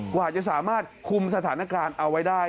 กว่าจะสามารถคุมสถานการณ์เอาไว้ได้